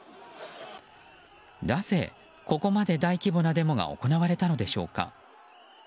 なぜここまで大規模なデモが行われたのでしょうか。